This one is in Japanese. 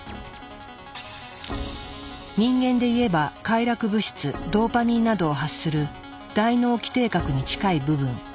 人間でいえば快楽物質ドーパミンなどを発する大脳基底核に近い部分。